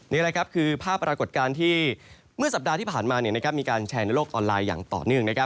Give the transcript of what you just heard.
นี่แหละครับคือภาพปรากฏการณ์ที่เมื่อสัปดาห์ที่ผ่านมามีการแชร์ในโลกออนไลน์อย่างต่อเนื่อง